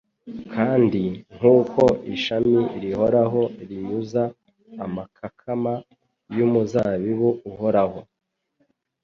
kandi nk'uko ishami rihora rinyunyuza amakakama y'umuzabibu uhoraho,